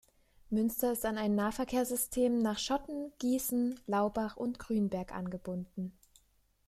Münster ist an ein Nahverkehrssystem nach Schotten, Gießen, Laubach und Grünberg angebunden.